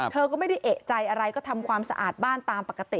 เธอก็ไม่ได้เอกใจอะไรก็ทำความสะอาดบ้านตามปกติ